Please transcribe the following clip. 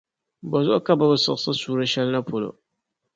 Bozuɣu ka bɛ bi siɣisi suura shεli na polo?